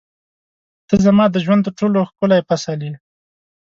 • ته زما د ژوند تر ټولو ښکلی فصل یې.